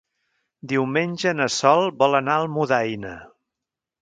Diumenge na Sol vol anar a Almudaina.